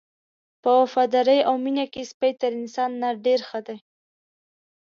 په وفادارۍ او مینه کې سپی تر انسان نه ډېر ښه دی.